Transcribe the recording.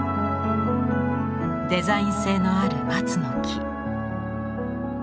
デザイン性のある松の木。